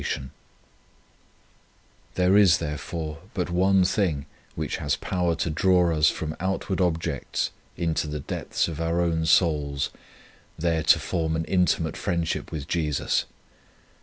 79 On Union with God There is, therefore, but one thing which has power to draw us from outward objects into the depths of our own souls, there to form an intimate friendship with Jesus.